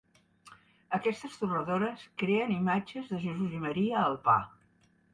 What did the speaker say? Aquestes torradores creen imatges de Jesús i Maria al pa.